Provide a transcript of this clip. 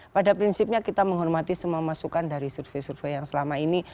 pada prinsipnya kita menghormati semua masukan dari survei survei yang selama ini